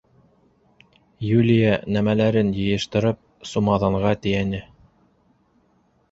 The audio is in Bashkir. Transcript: Юлия нәмәләрен йыйыштырып, сумаҙанға тейәне.